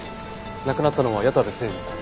亡くなったのは矢田部誠治さん